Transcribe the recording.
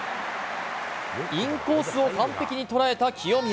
インコースを完璧に捉えた清宮。